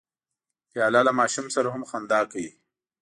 پیاله له ماشوم سره هم خندا کوي.